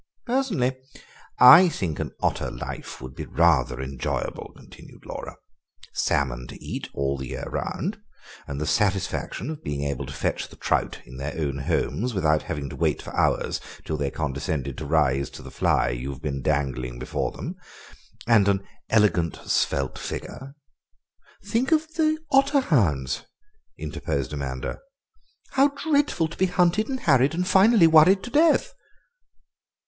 "Personally I think an otter life would be rather enjoyable," continued Laura; "salmon to eat all the year round, and the satisfaction of being able to fetch the trout in their own homes without having to wait for hours till they condescend to rise to the fly you've been dangling before them; and an elegant svelte figure—" "Think of the otter hounds," interposed Amanda; "how dreadful to be hunted and harried and finally worried to death!"